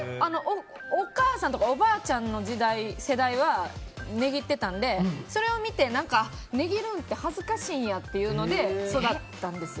お母さんやおばあちゃんの世代は値切っていたのでそれを見て、値切るんって恥ずかしいんやってので育ったんです。